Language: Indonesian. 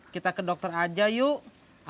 kita ke dokter aja yuk